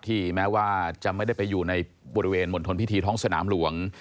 แม้ว่าจะไม่ได้ไปอยู่ในบริเวณมณฑลพิธีท้องสนามหลวง